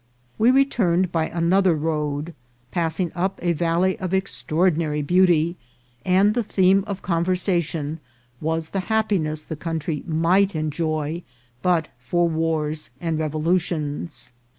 We returned by another road, passing up a valley of extraordinary beauty, and the theme of conversation was the happiness the country might enjoy but for wars and revolutions.